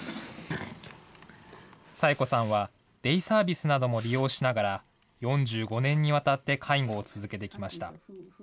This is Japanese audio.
佐枝子さんはデイサービスなども利用しながら、４５年にわたって介護を続けてきました。